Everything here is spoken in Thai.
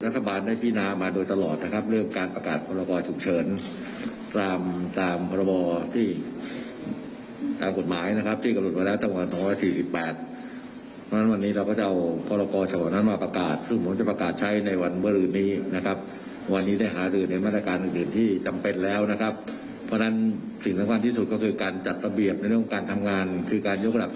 โควิดของเราเป็นศูนย์ศูนย์การฉุกเฉินในเรื่องของการแก้ประหารโควิดนี้นะครับ